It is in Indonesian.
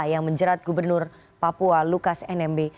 yang menjerat gubernur papua lukas nmb